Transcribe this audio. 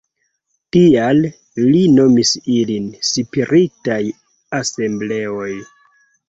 Tial, li nomis ilin "Spiritaj Asembleoj".